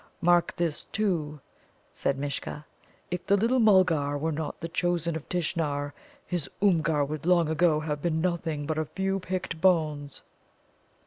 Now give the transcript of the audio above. Mark this, too," said Mishcha, "if the little Mulgar were not the chosen of Tishnar, his Oomgar would long ago have been nothing but a few picked bones."